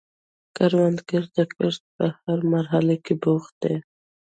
کروندګر د کښت په هره مرحله کې بوخت دی